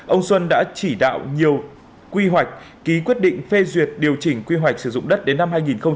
ông xuân đã chỉ đạo nhiều quy hoạch ký quyết định phê duyệt điều chỉnh quy hoạch sử dụng đất đến năm hai nghìn ba mươi